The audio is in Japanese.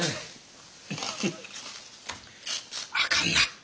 あかんな。